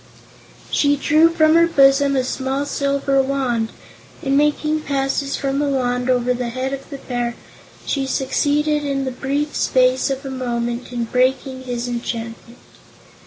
She drew from her bosom a small silver Wand and, making passes with the Wand over the head of the Bear, she succeeded in the brief space of a moment in breaking his enchantment.